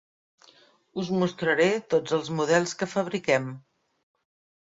Us mostraré tots els models que fabriquem.